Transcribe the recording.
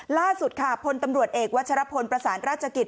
ล่าสุดค่ะพลตำรวจเอกวัชรพลประสานราชกิจ